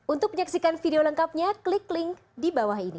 untuk menyaksikan video lengkapnya klik link di bawah ini